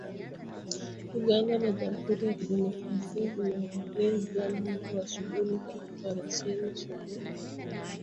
Uganda na Jamhuri ya Kidemokrasia zimeongeza muda wa shughuli za Operesheni Shujaa